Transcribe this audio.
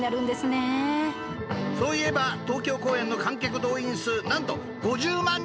そういえば東京公演の観客動員数何と５０万人突破！